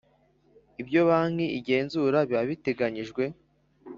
Ibyo Banki igenzura biba biteganyijwe